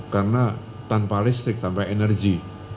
karena tanpa listrik tanpa energi